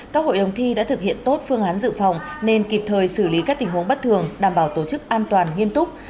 các hội đồng thi đã thực hiện tốt phương án dự phòng nên kịp thời xử lý các tình huống bất thường đảm bảo tổ chức an toàn nghiêm túc